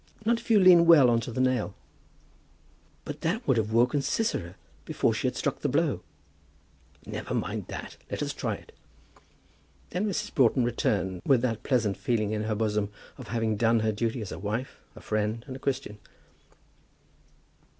"Not if you lean well on to the nail." "But that would have woken Sisera before she had struck a blow." "Never mind that. Let us try it." Then Mrs. Broughton returned, with that pleasant feeling in her bosom of having done her duty as a wife, a friend, and a Christian.